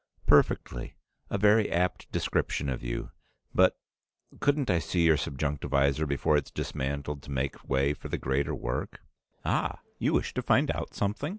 "Perfectly! A very apt description of you. But couldn't I see your subjunctivisor before it's dismantled to make way for the greater work?" "Ah! You wish to find out something?"